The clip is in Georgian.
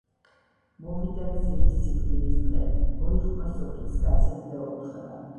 მოვიდა გზირის სიკვდილის დღე. მოიხმო სოფლის კაცები და უთხრა